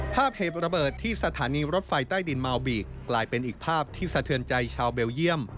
ภาพเหตุระเบิดที่สถานีรถไฟใต้ดินเมาบีกกลายเป็นอีกภาพที่สะเทือนใจชาวเบลเยี่ยม